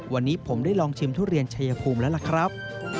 วันนี้ผมได้ลองชิมทุเรียนชายภูมิแล้วล่ะครับ